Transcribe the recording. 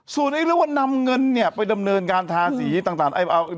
ส่วนเรื่องว่านำเงินเนี่ยไปดำเนินการทาสีต่าง